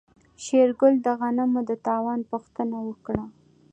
شېرګل د غنمو د تاوان پوښتنه وکړه.